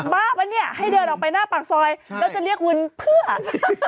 บ้าปะเนี่ยให้เดินออกไปหน้าปากซอยแล้วจะเรียกวินเพื่อ